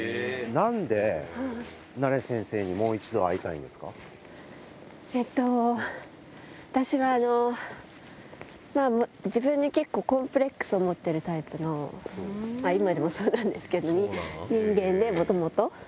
なんで、ナレ先生にもう一度私は、自分に結構コンプレックスを持ってるタイプの、今でもそうなんですけど、人間で、もともと。